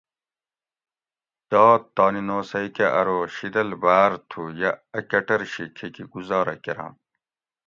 "داد تانی نوسئ کہ ارو ""شیدل باۤر تھُو یہ اۤ کٹر شی کھیکی گزارہ کۤرم"""